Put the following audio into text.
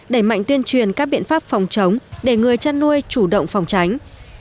đẩy mạnh tuyên truyền các biện pháp phòng chống để người chăn nuôi chủ động phòng tránh